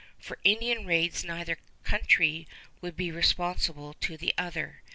For Indian raids neither country would be responsible to the other.